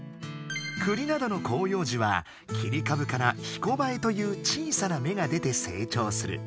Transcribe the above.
クリなどの広葉樹は切りかぶから「ひこばえ」という小さなめが出て成長する。